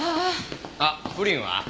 あっプリンは？